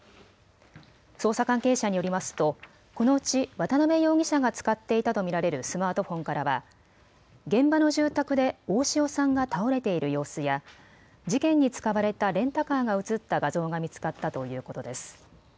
捜査関係者によりますとこのうち渡邉容疑者が使っていたと見られるスマートフォンからは現場の住宅で大塩さんが倒れている様子や事件に使われたレンタカーが写った画像が見つかったということです。